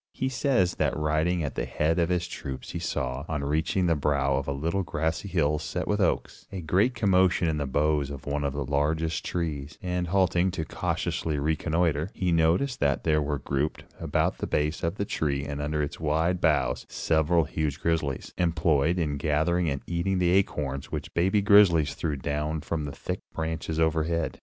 He says that riding at the head of his troops he saw, on reaching the brow of a little grassy hill set with oaks, a great commotion in the boughs of one of the largest trees, and, halting to cautiously reconnoiter, he noticed that there were grouped about the base of the tree and under its wide boughs, several huge grizzlies, employed in gathering and eating the acorns which the baby grizzlies threw down from the thick branches overhead.